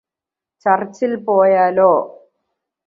ചർച്ചിൽ പോയാലോ